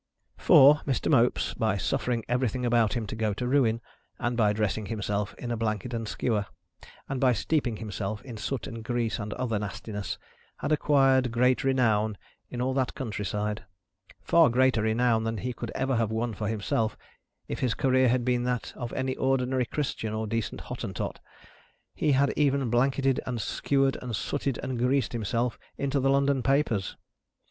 For, Mr. Mopes, by suffering everything about him to go to ruin, and by dressing himself in a blanket and skewer, and by steeping himself in soot and grease and other nastiness, had acquired great renown in all that country side far greater renown than he could ever have won for himself, if his career had been that of any ordinary Christian, or decent Hottentot. He had even blanketed and skewered and sooted and greased himself, into the London papers.